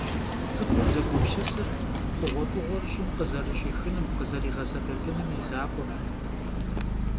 Ts'ıxur zegupsısır xhuğuef'ığuer ş'ım khızerış'ixınım, khızeriğesebepınım yi zakhuekhım.